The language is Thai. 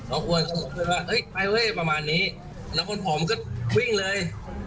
แล้วควรเขาบอกว่าเฮ้ยไปเว้ยประมาณนี้แล้วคนผ่องก็วิ่งเลย